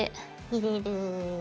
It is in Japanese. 入れる。